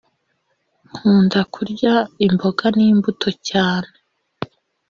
nkunda kurya imboga nimbuto cyane